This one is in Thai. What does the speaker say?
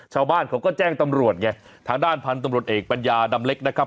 ชาวบ้านเขาก็แจ้งตำรวจไงทางด้านพันธุ์ตำรวจเอกปัญญาดำเล็กนะครับ